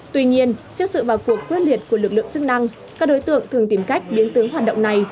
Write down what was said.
tuy nhiên trước sự vào cuộc quyết liệt của lực lượng chức năng các đối tượng thường tìm cách biến tướng hoạt động này